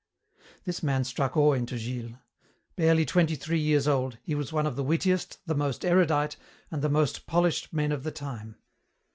This man struck awe into Gilles. Barely twenty three years old, he was one of the wittiest, the most erudite, and the most polished men of the time.